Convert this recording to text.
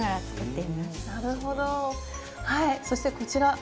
はいそしてこちら。